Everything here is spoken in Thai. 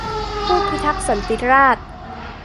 ผู้พิทักษ์สันติราษฎร์